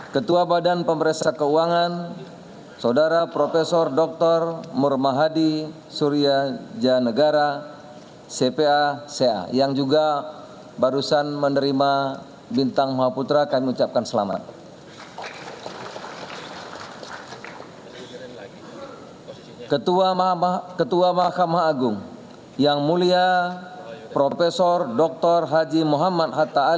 ketua komisi yudisial saudara dr haji jaja ahmad